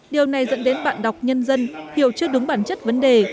điều này dẫn đến bạn đọc nhân dân hiểu chưa đúng bản chất vấn đề